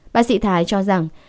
bác sĩ thái cho rằng